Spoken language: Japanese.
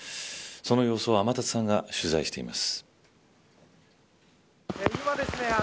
その様子を天達さんが取材しています。